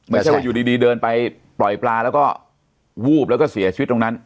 ไม่ใช่ว่าอยู่ดีเดินไปปล่อยปลาแล้วก็วูบแล้วก็เสียชีวิตตรงนั้น